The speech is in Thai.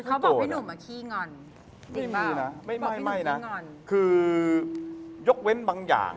ถ้าเกิดขึ้นระหว่างการทำงาน